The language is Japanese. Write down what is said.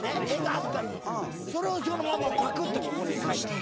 それをそのままパクってここにかいたの。